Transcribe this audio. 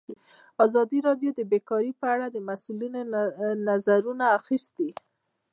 ازادي راډیو د بیکاري په اړه د مسؤلینو نظرونه اخیستي.